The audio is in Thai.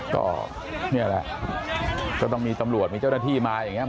ก็นี่แหละก็ต้องมีตำรวจมีเจ้าหน้าที่มาอย่างนี้